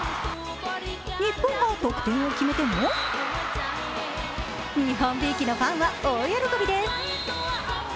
日本が得点を決めても日本びいきのファンは大喜びです。